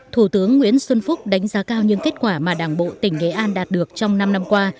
thủ tướng nguyễn xuân phúc đánh giá cao những kết quả mà đảng bộ tỉnh nghệ an đạt được trong năm năm qua